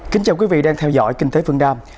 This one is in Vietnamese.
kính chào quý vị đang theo dõi kinh tế phương nam